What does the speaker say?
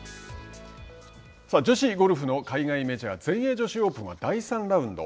女子ゴルフの海外メジャー全英女子オープンは第３ラウンド。